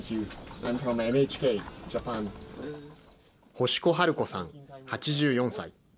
星子ハルコさん８４歳。